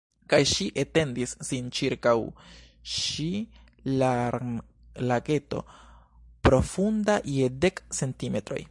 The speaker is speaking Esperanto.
Kaj ŝi etendis sin ĉirkaŭ ŝi larmlageto profunda je dek centimetroj.